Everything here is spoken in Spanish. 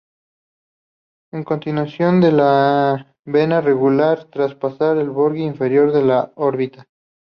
Es continuación de la vena angular tras pasar el borde inferior de la órbita.